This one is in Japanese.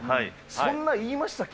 そんな言いましたっけ？